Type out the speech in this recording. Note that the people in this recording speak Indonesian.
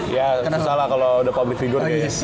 ya salah kalo udah public figure gitu